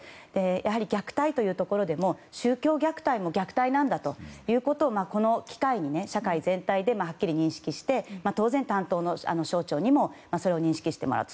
やはり、虐待というところでも宗教虐待も虐待なんだということをこの機会に社会全体で、はっきり認識して当然、担当の省庁にもそれを認識してもらう。